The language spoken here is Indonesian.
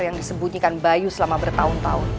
yang disembunyikan bayu selama bertahun tahun